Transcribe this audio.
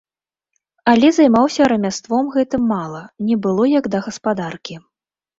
Але займаўся рамяством гэтым мала, не было як да гаспадаркі.